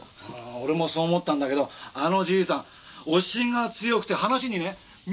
俺もそう思ったんだけどあのじいさん押しが強くて話にね妙に説得力があるんだよ。